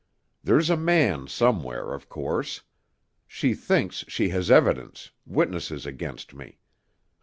There's a man somewhere, of course. She thinks she has evidence, witnesses against me.